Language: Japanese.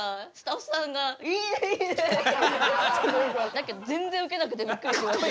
だけど全然ウケなくてびっくりしました。